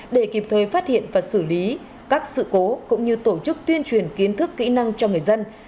để kịp thời phát hiện và xử lý các sự cố cũng như tổ chức tuyên truyền kiến thức kỹ năng cho người dân